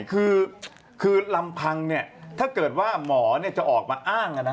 คือลำพังถ้าเกิดว่าหมอจะออกมาอ้าง